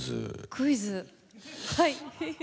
クイズはい。